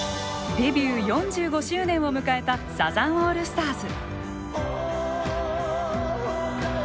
デビュー４５周年を迎えたサザンオールスターズ。